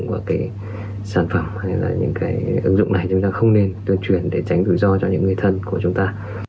và cái sản phẩm hay là những cái ứng dụng này chúng ta không nên tuyên truyền để tránh rủi ro cho những người thân của chúng ta